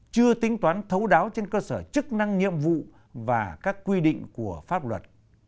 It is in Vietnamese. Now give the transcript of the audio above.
chưa tính toán thấu đáo trên cơ sở chức năng nhiệm vụ và các quy định của pháp luật